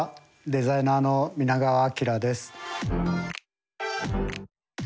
デザイナーの皆川明です。